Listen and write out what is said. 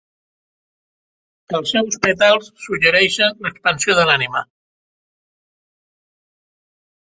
Els seus pètals suggereixen l'expansió de l'ànima.